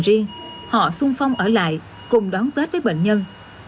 các gia đình riêng họ sung phong ở lại cùng đón tết với bệnh nhân